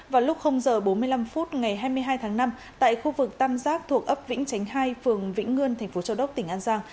vào lúc giờ bốn mươi năm phút ngày hai mươi hai tháng năm tại khu vực tam giác thuộc ấp vĩnh chánh hai phường vĩnh ngươn thành phố châu đốc tỉnh an giang